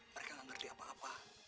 mereka nggak ngerti apa apa